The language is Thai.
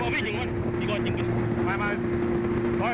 ออกไป